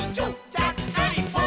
ちゃっかりポン！」